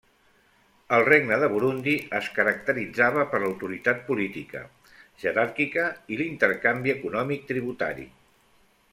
El Regne de Burundi es caracteritzava per l'autoritat política, jeràrquica i l'intercanvi econòmic tributari.